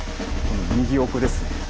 右奥ですね。